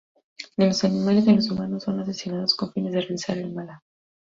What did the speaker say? Ni los animales ni los humanos, son asesinados con fines de realizar el mala.